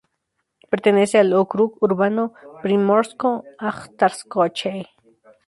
Pertenece al ókrug urbano Primorsko-Ajtarskoye.